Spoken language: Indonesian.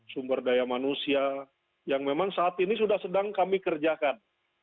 sumber daya manusia yang memang saat ini sudah sedang kami kerjakan